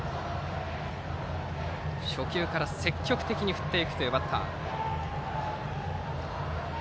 初球から積極的に振っていくバッター。